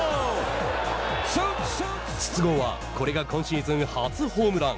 筒香はこれが今シーズン初ホームラン。